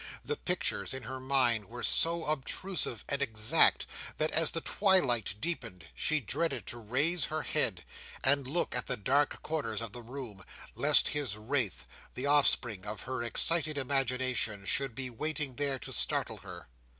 The pictures in her mind were so obtrusive and exact that, as the twilight deepened, she dreaded to raise her head and look at the dark corners of the room, lest his wraith, the offspring of her excited imagination, should be waiting there, to startle her.